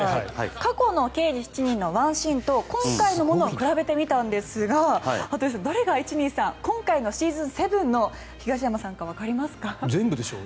過去の「刑事７人」のワンシーンと今回のものを比べてみたんですが羽鳥さん誰が今回のシーズン７の東山さんか全部でしょ？